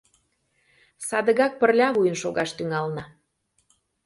Садыгак пырля вуйын шогаш тӱҥалына!..